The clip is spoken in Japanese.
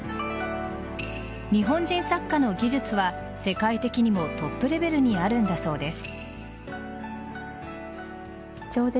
日本人作家の技術は世界的にもトップレベルにあるんだそうです。